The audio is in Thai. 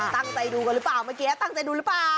ตั้งใจดูกันหรือเปล่าเมื่อกี้ตั้งใจดูหรือเปล่า